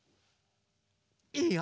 いいよ！